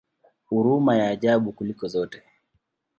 Huruma ya ajabu kuliko zote!